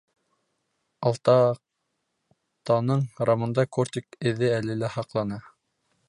Алтаҡтаның рамында кортик эҙе әле лә һаҡлана.